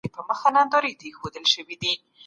تاسو باید د معتادانو او ورانکارانو چلند وڅېړئ.